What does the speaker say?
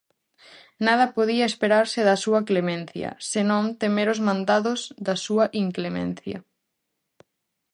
Nada podía esperarse da súa clemencia, senón temer os mandados da súa inclemencia.